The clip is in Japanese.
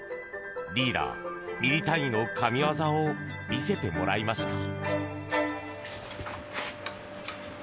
リーダー、ミリ単位の神業を見せてもらいました。